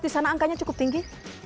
di sana angkanya cukup tinggi